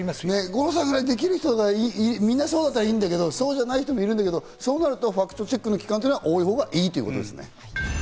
五郎さんぐらいできる方が皆さんだったらいいんだけど、そうじゃない人もいるんだけど、そうなるとファクトチェックの機関は多いほうがいいということですね。